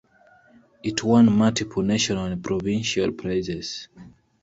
It won multiple national and provincial prizes.